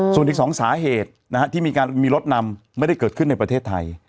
ส่วนอีก๒สาเหตุที่มีรถนำไม่ได้เกิดขึ้นในประเทศไทย